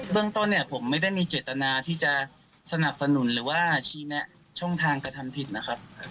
เรื่องต้นเนี่ยผมไม่ได้มีเจตนาที่จะสนับสนุนหรือว่าชี้แนะช่องทางกระทำผิดนะครับ